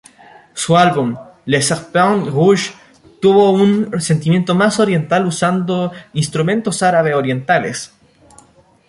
Su álbum Le Serpent Rouge tuvo un sentimiento más oriental usando instrumentos árabe orientales.